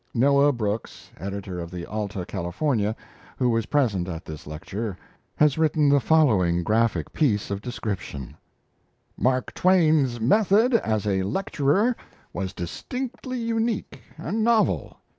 Noah Brooks, editor of the Alta California, who was present at this lecture, has written the following graphic piece of description: "Mark Twain's method as a lecturer was distinctly unique and novel.